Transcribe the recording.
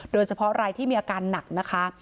โดยเฉพาะรายที่มีอาการหนักนะคะ